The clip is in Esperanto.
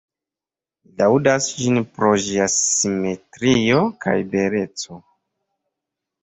Li laŭdas ĝin pro ĝia simetrio kaj beleco.